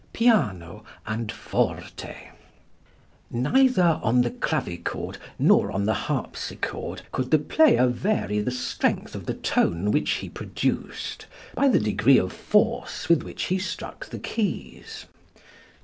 Piano and Forte. Neither on the clavichord nor on the harpsichord could the player vary the strength of the tone which he produced, by the degree of force with which he struck the keys.